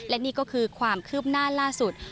และนี่ก็คือความคืบหน้าล่าสุด